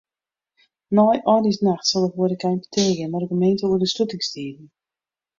Nei âldjiersnacht sil de hoareka yn petear gean mei de gemeente oer de slutingstiden.